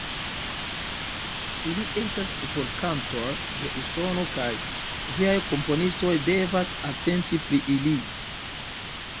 Ili estas popolkantoj de Usono kaj viaj komponistoj devas atenti pri ili.